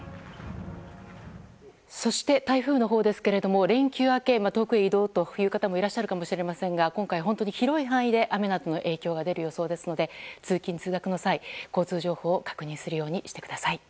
そして台風のほうですが連休明け、遠くへ移動という方もいらっしゃるかもしれませんが今回、本当に広い範囲で雨などの影響が出る予想ですので通勤・通学の際交通情報を確認するようにしてください。